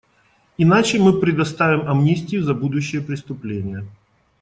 Иначе мы предоставим амнистию за будущие преступления.